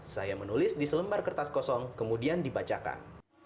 saya menulis di selembar kertas kosong kemudian dibacakan